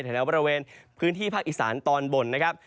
แถวบริเวณพื้นที่ภาคอีสานตอนบนนะครับ